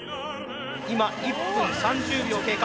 今１分３０秒経過。